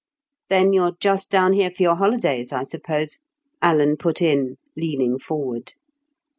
"Then you're just down here for your holidays, I suppose?" Alan put in, leaning forward.